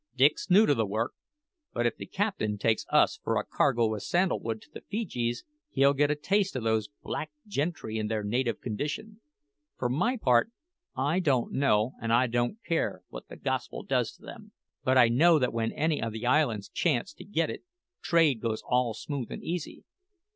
"Dick's new to the work. But if the captain takes us for a cargo o' sandal wood to the Feejees, he'll get a taste o' these black gentry in their native condition. For my part, I don't know, and I don't care, what the Gospel does to them; but I know that when any o' the islands chance to get it, trade goes all smooth and easy.